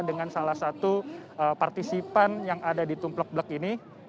dengan salah satu partisipan yang ada di tumplek blek ini